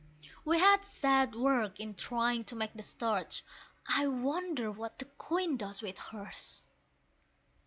We had sad work in trying to make the starch I wonder what the Queen does with hers?